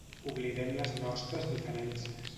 Oblidem les nostres diferències.